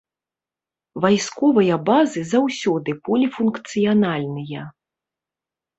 Вайсковыя базы заўсёды поліфункцыянальныя.